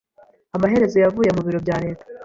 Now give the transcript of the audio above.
Amaherezo yavuye mu biro bya Leta.